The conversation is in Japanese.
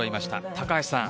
高橋さん